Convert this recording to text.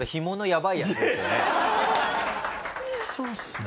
そうっすね。